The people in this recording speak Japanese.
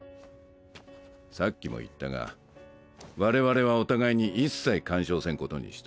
さっきも言ったが我々はお互いに一切干渉せんことにしとる。